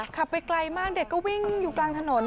ไปไกลมากเด็กก็วิ่งอยู่กลางถนน